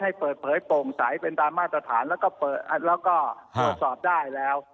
ให้เปิดเผยโปร่งใสเป็นตามมาตรฐานแล้วก็เปิดแล้วก็ตรวจสอบได้แล้ว